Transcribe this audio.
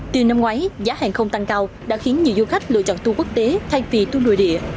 từ năm ngoái giá hàng không tăng cao đã khiến nhiều du khách lựa chọn tour quốc tế thay vì tour nội địa